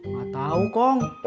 gak tau kong